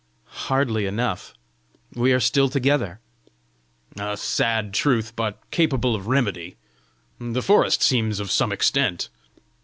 "Hardly enough: we are still together!" "A sad truth, but capable of remedy: the forest seems of some extent!"